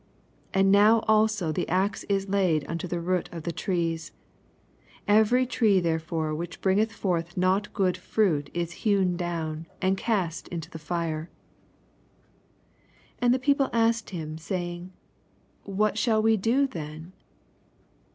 9 And now also the axe is laid unto the root of the trees : every tree there fore which bringeth not fortli good fruit is hewn down, and oast into the Are. 10 And the people asked him, say ing, What shall we do then